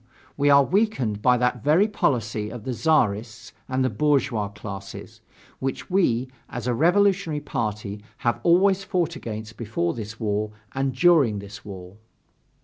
we are weakened by that very policy of the Czarists and the bourgeois classes, which we, as a revolutionary party, have always fought against before this war and during this war.